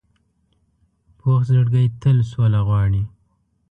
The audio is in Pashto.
پوخ زړګی تل صلح غواړي